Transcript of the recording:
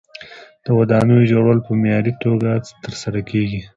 د ودانیو جوړول په معیاري توګه ترسره کیږي.